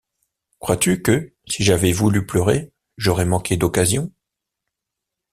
Crois-tu que, si j’avais voulu pleurer, j’aurais manqué d’occasion?